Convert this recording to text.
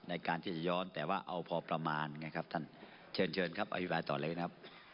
ในการที่จะย้อนแต่ว่าเอาพอประมาณไงครับท่านเชิญครับอธิบายต่อเลยนะครับ